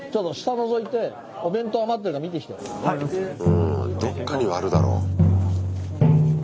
うんどっかにはあるだろう。